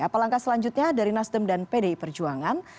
apa langkah selanjutnya dari nasdem dan pdi perjuangan